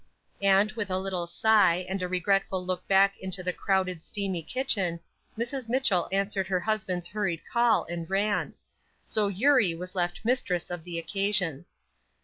And with a little sigh, and a regretful look back into the crowded, steamy kitchen, Mrs. Mitchell answered her husband's hurried call and ran. So Eurie was left mistress of the occasion.